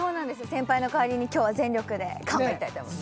先輩のかわりに今日は全力で頑張りたいと思います